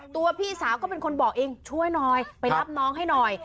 พี่สาวก็เป็นคนบอกเองช่วยหน่อยไปรับน้องให้หน่อย